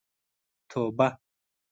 توبه.